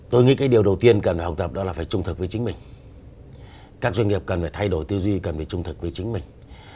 tôi nghĩ cái điều đầu tiên cần phải học tập đó là phải trung thực với chính mình các doanh nghiệp cần phải thay đổi tư duy cần phải trung thực với chính mình